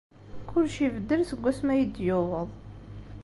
Kullec ibeddel seg wasmi ay d-yuweḍ.